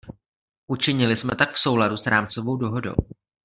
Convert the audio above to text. Učinili jsme tak v souladu s rámcovou dohodou.